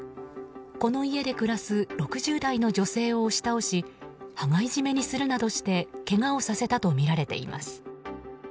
この家で暮らす６０代の女性を押し倒し羽交い締めにするなどしてけがをさせたとみられています。